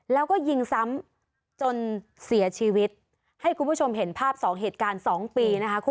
แล้วก็ยิงซ้ำจนเสียชีวิตให้คุณผู้ชมเห็นภาพสองเหตุการณ์สองปีนะคะ